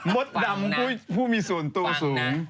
มดดำผู้มีส่วนตัวสูง